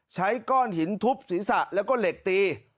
ใช้ก้อนหินทุบศีรษะแล้วก็เหล็กตี